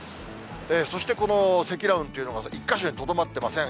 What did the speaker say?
そしてこの積乱雲というのが１か所にとどまってません。